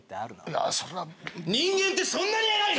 いやそれは人間ってそんなに偉いの！？